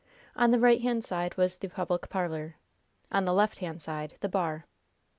On the right hand side was the public parlor; on the left hand side the bar.